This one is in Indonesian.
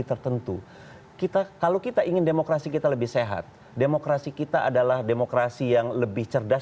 tertentu kita kalau kita ingin demokrasi kita lebih sehat demokrasi kita adalah demokrasi yang lebih cerdas